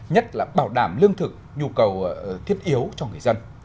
nhất là bảo đảm lương thực nhu cầu thiết yếu cho người dân